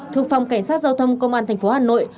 thuộc phòng cảnh sát giao thông công an tp hà nội